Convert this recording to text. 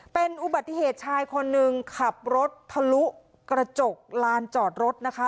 เป็นอุบัติเหตุชายคนหนึ่งขับรถทะลุกระจกลานจอดรถนะคะ